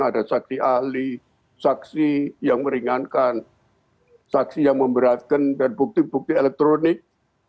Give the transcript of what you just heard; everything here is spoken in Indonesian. ada saksi ahli saksi yang meringankan saksi yang memberatkan dan bukti bukti elektronik